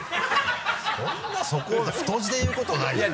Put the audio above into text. そんなそこを太字で言うことないじゃない。